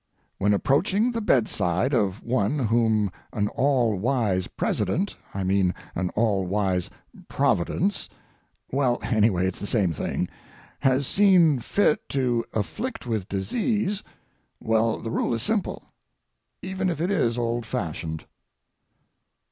When approaching the bedside of one whom an all wise President—I mean an all wise Providence—well, anyway, it's the same thing—has seen fit to afflict with disease—well, the rule is simple, even if it is old fashioned.